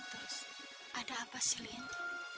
terus ada apa sih lint